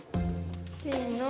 せの。